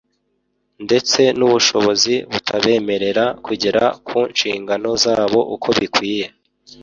ndetse n’ubushobozi butabemerera kugera ku nshingano zabo uko bikwiye